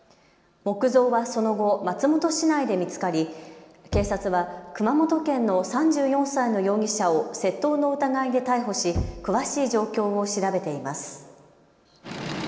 木造はその後松本市内で見つかり警察は熊本県の３４歳の容疑者を窃盗の疑いで逮捕し詳しい状況を調べています。